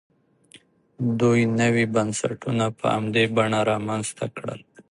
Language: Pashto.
دوی نوي بنسټونه په همدې بڼه رامنځته کړل.